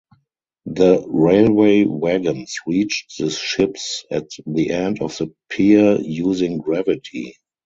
The railway wagons reached the ships at the end of the pier using gravity.